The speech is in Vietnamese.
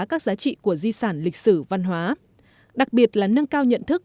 các giá trị của di sản lịch sử văn hóa đặc biệt là nâng cao nhận thức